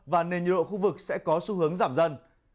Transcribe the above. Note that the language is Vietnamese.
và nền nhiệt ở khu vực sẽ có xu hướng giảm dần